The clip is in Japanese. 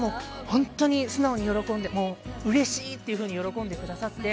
本当に素直にうれしい！って喜んでくださって。